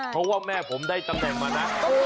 เพราะว่าแม่ผมได้ตำแหน่งมานะ